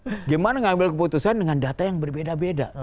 bagaimana mengambil keputusan dengan data yang berbeda beda